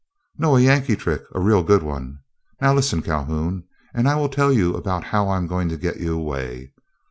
"No, a Yankee trick, a real good one. Now listen, Calhoun, and I will tell you all about how I am going to get you away.